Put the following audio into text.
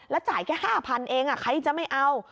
จ่ายแค่๕๐๐๐เองใครจะไม่เอา